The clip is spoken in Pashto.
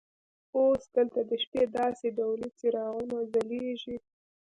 اوس دلته د شپې داسې ډولي څراغونه ځلیږي.